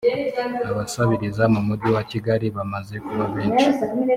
abasabiriza mu mugi wa kigali bamaze kuba benshi